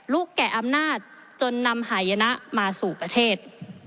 แก่อำนาจจนนำหายนะมาสู่ประเทศ